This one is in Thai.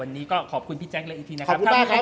วันนี้ก็ขอบคุณพี่แจ๊คเลยอีกทีนะครับ